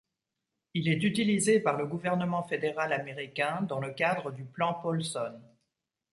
Il est utilisé par le gouvernement fédéral américain dans le cadre du Plan Paulson.